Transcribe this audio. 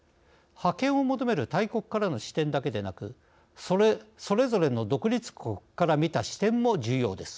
覇権を求める大国からの視点だけでなくそれぞれの独立国から見た視点も重要です。